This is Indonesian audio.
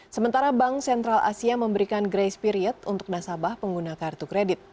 sementara bank sentral asia memberikan grace period untuk nasabah pengguna kartu kredit